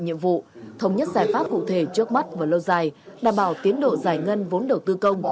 nhiệm vụ thống nhất giải pháp cụ thể trước mắt và lâu dài đảm bảo tiến độ giải ngân vốn đầu tư công